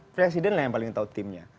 presiden lah yang paling tahu timnya